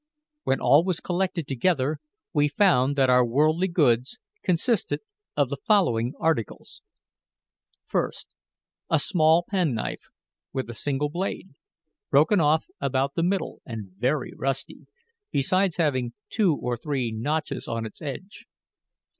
When all was collected together, we found that our worldly goods consisted of the following articles: First, a small penknife with a single blade, broken off about the middle and very rusty, besides having two or three notches on its edge.